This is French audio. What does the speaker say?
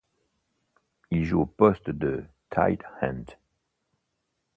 Il joue au poste de tight end.